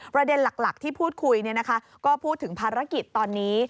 ประเด็นหลักที่พูดคุยก็พูดถึงภารกิจตอนนี้